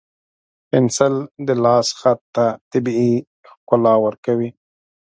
پنسل د لاس خط ته طبیعي ښکلا ورکوي.